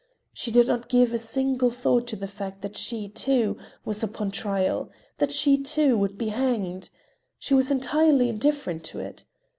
She did not give a single thought to the fact that she, too, was upon trial, that she, too, would be hanged; she was entirely indifferent to it.